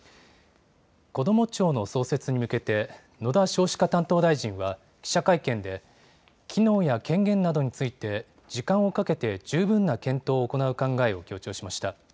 こども庁の創設に向けて野田少子化担当大臣は記者会見で機能や権限などについて時間をかけて十分な検討を行う考えを強調しました。